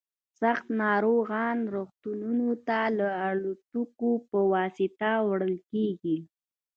سخت ناروغان روغتونونو ته د الوتکې په واسطه وړل کیږي